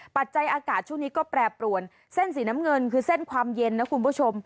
ปัจจัยอากาศช่วงนี้ก็แปรปรวนเส้นสีน้ำเงินคือเส้นความเย็นนะคุณผู้ชม